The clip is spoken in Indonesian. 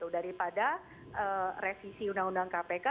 daripada revisi undang undang kpk